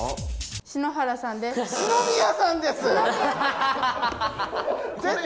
篠宮さんです！